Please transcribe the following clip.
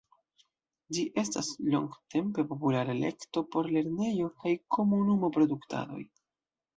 Ĝi estas longtempe populara elekto por lernejo- kaj komunumo-produktadoj.